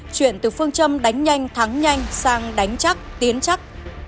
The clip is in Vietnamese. chuyển từ phương châm đánh nhanh thắng nhanh sang đánh chắc tiến chắc